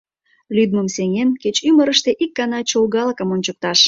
Лӱдмым сеҥен, кеч ӱмырыштӧ ик гана чолгалыкым ончыкташ.